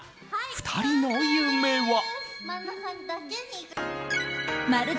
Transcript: ２人の夢は。